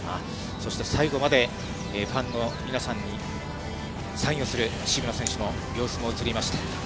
そして最後までファンの皆さんにサインをする渋野選手の様子も映りました。